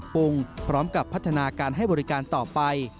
ปรุงพร้อมกับพัฒนาการให้บริการต่อไป